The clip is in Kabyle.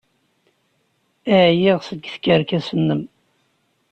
Ɛyiɣ seg tkerkas-nnem!